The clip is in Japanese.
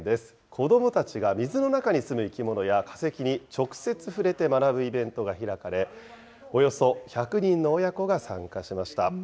子どもたちが水の中に住む生き物や化石に直接触れて学ぶイベントが開かれ、およそ１００人の親子が参加しました。